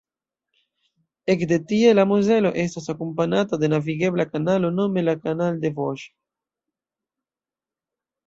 Ekde tie la Mozelo estas akompanata de navigebla kanalo, nome la Canal des Vosges.